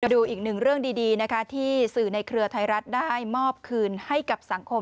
ดูอีกหนึ่งเรื่องดีนะคะที่สื่อในเครือไทยรัฐได้มอบคืนให้กับสังคม